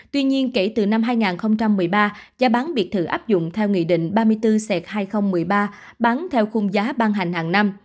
tuy nhiên kể từ năm hai nghìn một mươi ba giá bán biệt thự áp dụng theo nghị định ba mươi bốn ct hai nghìn một mươi ba bán theo khung giá ban hành hàng năm